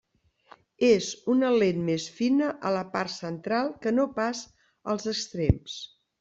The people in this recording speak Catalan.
És una lent més fina a la part central que no pas als extrems.